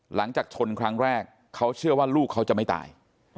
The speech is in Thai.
หลังจากชนครั้งแรกเขาเชื่อว่าลูกเขาจะไม่ตาย